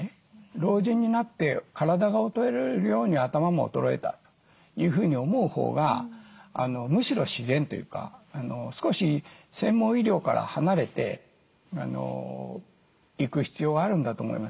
老人になって体が衰えるように頭も衰えたというふうに思うほうがむしろ自然というか少し専門医療から離れていく必要があるんだと思います。